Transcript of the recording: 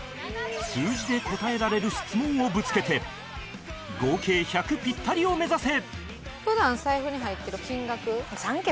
数字で答えられる質問をぶつけて合計１００ピッタリを目指せ！